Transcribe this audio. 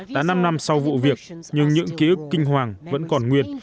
đã năm năm sau vụ việc nhưng những ký ức kinh hoàng vẫn còn nguyệt